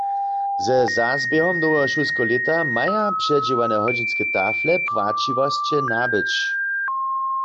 Ze zazběhom noweho šulskeho lěta maja předźěłane hodźinske tafle płaćiwosće nabyć.